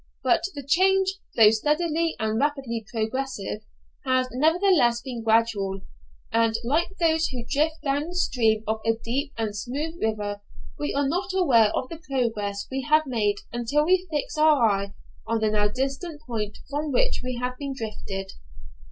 But the change, though steadily and rapidly progressive, has nevertheless been gradual; and, like those who drift down the stream of a deep and smooth river, we are not aware of the progress we have made until we fix our eye on the now distant point from which we have been drifted.